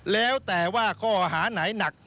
แล้วแต่ว่าข้อหาไหนหนัก